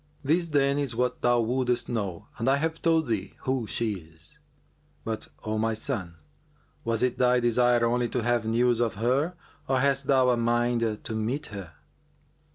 This, then, is what thou wouldest know and I have told thee who she is; but, O my son, was it thy desire only to have news of her or hast thou a mind to meet her?"